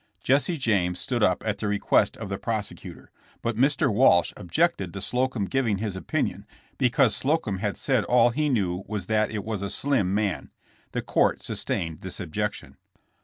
Jesse James stood up at the request of the pros ecutor, but Mr. Walsh objected to Slocum giving his opinion, because Slocum had said all he knew v^^as that it was a slim man. The court sustained this objection.